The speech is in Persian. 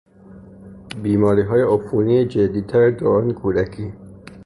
بیماریهای عفونی جدیتر دوران کودکی